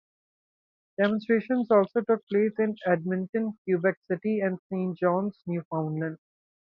Demonstrations also took place in Edmonton, Quebec City, and Saint John's, Newfoundland.